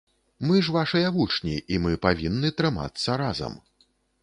Мы ж вашыя вучні, і мы павінны трымацца разам.